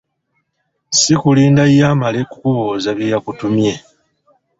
Si kulinda y'amale kukubuuza bye yakutumye.